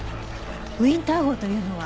ウィンター号というのは？